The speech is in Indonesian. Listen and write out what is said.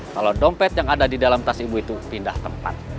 kalau dompet yang ada di dalam tas ibu itu pindah tempat